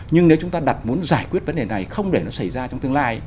nhưng nếu chúng ta đặt muốn giải quyết vấn đề này không để nó xảy ra trong tương lai